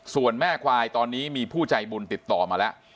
ส่วนแม่ควายตอนนี้มีผู้ใจบุญติดต่อมาแล้ว